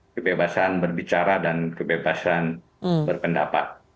kebebasan berbicara dan kebebasan berpendapat